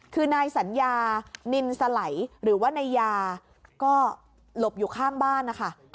คือนายสัญญานินสไหลหรือว่านายยาก็หลบอยู่ข้างบ้านนะคะ